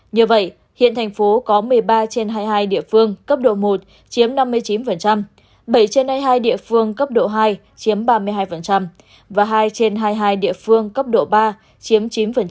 như vậy hiện thành phố có một mươi ba trên hai mươi hai địa phương cấp độ một chiếm năm mươi chín bảy trên hai mươi hai địa phương cấp độ hai chiếm ba mươi hai và hai trên hai mươi hai địa phương cấp độ ba chiếm chín